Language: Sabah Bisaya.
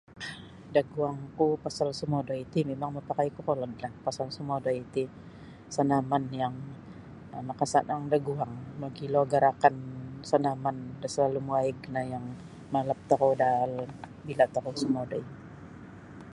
Da guangku pasal sumodui ti mimang mapakai kokolod lah pasal sumodui ti sanaman yang makasanang da guang mogilo garakan sanaman da salalum waig no yang malap kita da aal bila tokou sumodui.